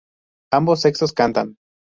Ambos sexos cantan.